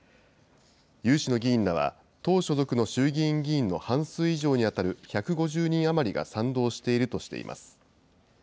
有志の議員らは、党所属の衆議院議員の半数以上に当たる１５０人余りが賛同しているとしています。